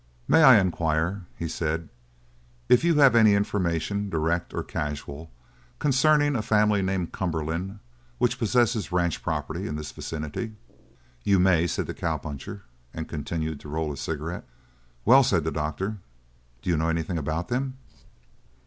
"May I inquire," he said, "if you have any information direct or casual concerning a family named Cumberland which possesses ranch property in this vicinity?" "You may," said the cowpuncher, and continued to roll his cigarette. "Well," said the doctor, "do you know anything about them?"